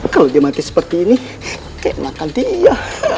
kalau dia mati seperti ini makan dia